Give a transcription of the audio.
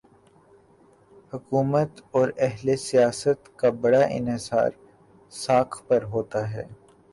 حکومت اوراہل سیاست کا بڑا انحصار ساکھ پر ہوتا ہے۔